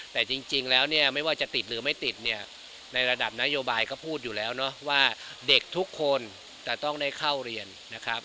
แต่จริงแล้วเนี่ยไม่ว่าจะติดหรือไม่ติดเนี่ยในระดับนโยบายก็พูดอยู่แล้วเนาะว่าเด็กทุกคนจะต้องได้เข้าเรียนนะครับ